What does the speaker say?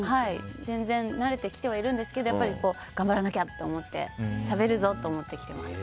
全然慣れてきてはいるんですけど頑張らなきゃと思ってしゃべるぞと思って来ています。